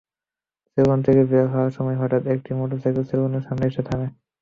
Salon থেকে বের হওয়ার সময় হঠাৎ একটি মোটরসাইকেল সেলুনের সামনে এসে থামে।